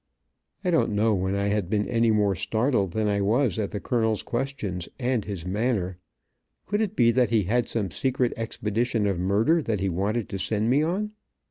I don't know when I had been any more startled than I was at the colonel's questions, and his manner. Could it be that he had some secret expedition of murder that he wanted to send me on.